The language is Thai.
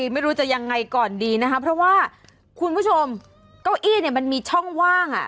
ไม่รู้จะยังไงก่อนดีนะคะเพราะว่าคุณผู้ชมเก้าอี้เนี่ยมันมีช่องว่างอ่ะ